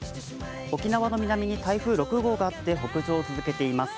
沖縄の南に台風６号があって北上を続けています。